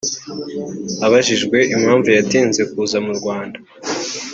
Abajijwe impamvu yatinze kuza mu Rwanda